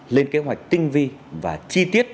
lên kế hoạch tinh vi và chi tiết